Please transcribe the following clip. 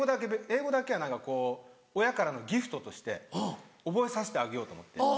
英語だけは何かこう親からのギフトとして覚えさせてあげようと思って。